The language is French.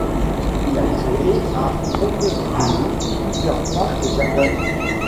Il a créé à Montevideo plusieurs parcs et jardins.